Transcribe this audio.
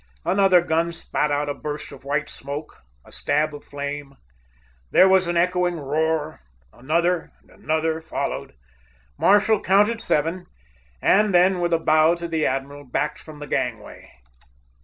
Another gun spat out a burst of white smoke, a stab of flame. There was an echoing roar. Another and another followed. Marshall counted seven, and then, with a bow to the admiral, backed from the gangway.